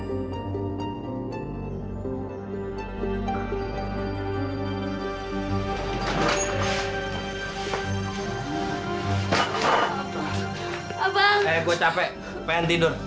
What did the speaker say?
eh gue capek pengen tidur